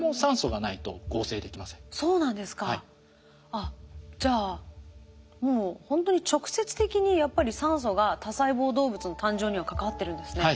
あっじゃあもうほんとに直接的にやっぱり酸素が多細胞動物の誕生には関わってるんですね。